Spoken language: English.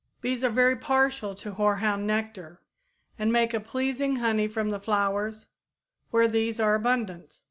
Bees are very partial to hoarhound nectar, and make a pleasing honey from the flowers where these are abundant.